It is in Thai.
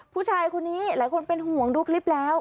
ผู้ชายคนนี้หลายคนเป็นห่วงดูคลิปแล้ว